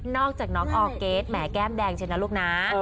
นอกจากน้องออเกสแหมแก้มแดงเฉยนะลูกน้า